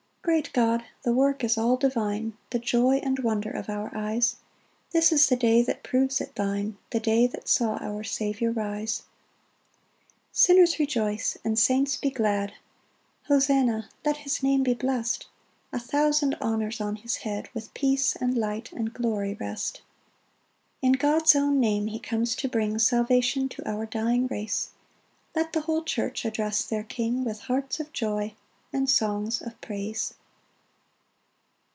2 Great God, the work is all divine, The joy and wonder of our eyes; This is the day that proves it thine, The day that saw our Saviour rise. 3 Sinners rejoice, and saints be glad: Hosanna, let his Name be blest: A thousand honours on his head, With peace, and light, and glory, rest. 4 In God's own name he comes to bring Salvation to our dying race: Let the whole church address their King With hearts of joy, and songs of praise.